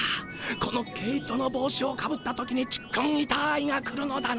この毛糸の帽子をかぶった時にちっくんいたーいが来るのだな？